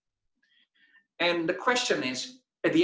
siapa yang ingin membunuh uber